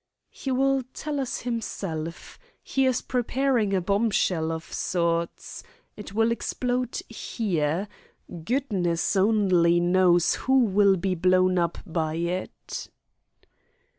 "He will tell us himself. He is preparing a bombshell of sorts. It will explode here. Goodness only knows who will be blown up by it."